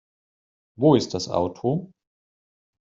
Wo ist das Auto?